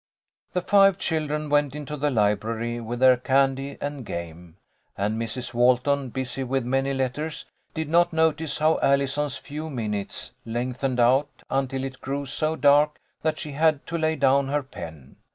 The five children went into the library with their candy and game, and Mrs. Walton, busy with many letters, did not notice how Allison's few minutes lengthened out, until it grew so dark that she had to lay down her pen.